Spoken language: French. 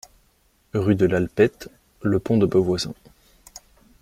Rue de l'Alpette, Le Pont-de-Beauvoisin